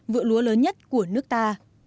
vựa lúa lớn nhất của nước ta